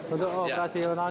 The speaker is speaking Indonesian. untuk operasionalnya pak